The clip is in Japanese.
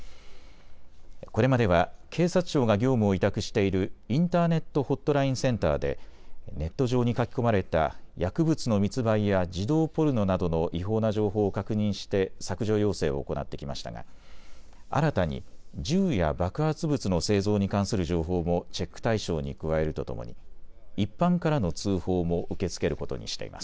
これまでは警察庁が業務を委託しているインターネット・ホットラインセンターでネット上に書き込まれた薬物の密売や児童ポルノなどの違法な情報を確認して削除要請を行ってきましたが新たに銃や爆発物の製造に関する情報もチェック対象に加えるとともに一般からの通報も受け付けることにしています。